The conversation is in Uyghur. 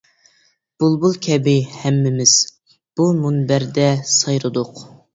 بۇلبۇل كەبى ھەممىز، بۇ مۇنبەردە سايرىدۇق.